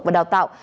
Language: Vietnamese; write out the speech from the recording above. và đào tạo